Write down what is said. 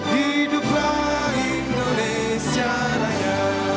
hiduplah indonesia raya